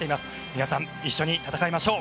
皆さん、一緒に戦いましょう。